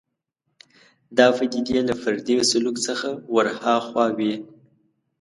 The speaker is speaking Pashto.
دا پدیدې له فردي سلوک څخه ورهاخوا وي